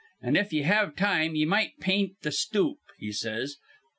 'An', if ye have time, ye might paint th' stoop,' he says.